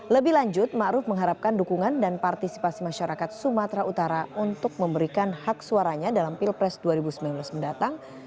lebih lanjut ⁇ maruf ⁇ mengharapkan dukungan dan partisipasi masyarakat sumatera utara untuk memberikan hak suaranya dalam pilpres dua ribu sembilan belas mendatang